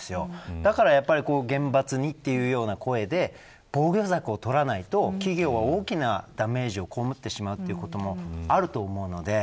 だから、やっぱり厳罰にというような声で防御策をとらないと企業は大きなダメージをこうむってしまうということもあると思うので。